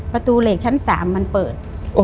ประตูเหล็กชั้น๓มันเปิด